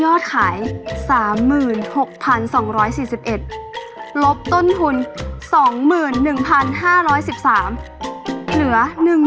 ยอดขาย๓๖๒๔๑ลบต้นทุน๒๑๕๑๓เหลือ๑๔๗๒๘